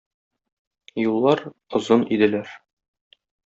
Юллар... озын иделәр...